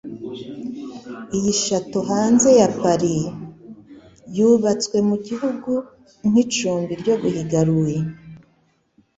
Iyi chateau hanze ya Paris yubatswe mu gihumbi nk'icumbi ryo guhiga Louis